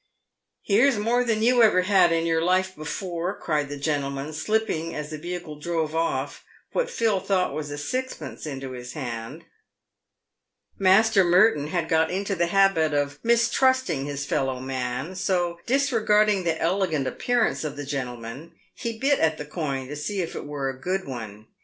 " Here's more than you ever had in your life before," cried the i 114 PAYED WITH GOLD. gentleman, slipping, as the vehicle drove off, what Phil thought was sixpence into his hand. . Master Merton had got into the hahit of mistrusting his fellow man ; so, disregarding the elegant appearance of the gentleman, he bit at the coin to see if it were a good one.